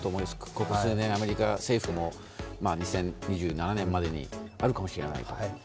ここ数年、アメリカ政府２０２７年までにあるかもしれないと。